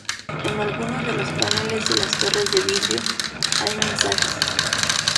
En algunos de los paneles de las torres de vidrio, hay mensajes.